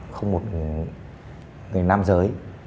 không một người nam giới